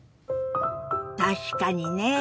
確かにね。